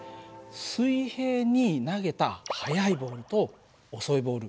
水平に投げた速いボールと遅いボール